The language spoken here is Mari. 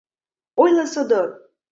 Ойло содор!